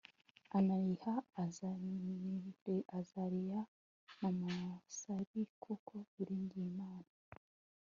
ananiya, azariya na misayeli kuko biringiye imana